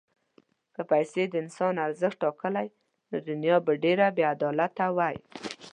که پیسې د انسان ارزښت ټاکلی، نو دنیا به ډېره بېعدالته وای.